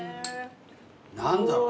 何だろう。